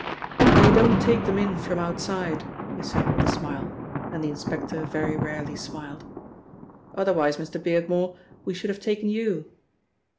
"They don't take them in from outside," he said with a smile, and the inspector very rarely smiled. "Otherwise, Mr. Beardmore, we should have taken you!